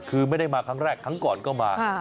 คือไม่ได้มาครั้งแรกครั้งก่อนก็มา